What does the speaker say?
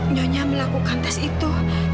nyonya melakukan tes itu